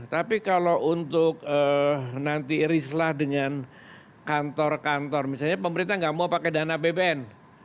tapi kalau untuk nanti irislah dengan kantor kantor misalnya pemerintah nggak mau pakai dana bbm